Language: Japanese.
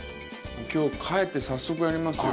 今日帰って早速やりますよ。